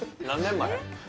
何年前？